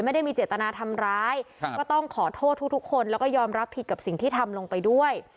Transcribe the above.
ไม่ได้มีเจตนาทำร้ายก็ต้องขอโทษทุกคนแล้วก็ยอมรับผิดกับสิ่งที่ทำลงไปด้วย